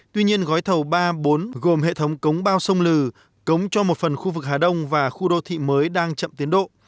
tuy nhiên gói thầu ba bốn gồm hệ thống cống bao sông lừ cống cho một phần khu vực hà đông và khu đô thị mới đang chậm tiến độ